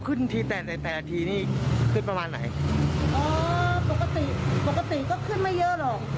ทีแต่แต่ทีนี้ขึ้นประมาณไหนอ๋อปกติปกติก็ขึ้นไม่เยอะหรอก